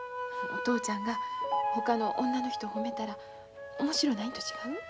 お父ちゃんがほかの女の人を褒めたら面白うないんと違う？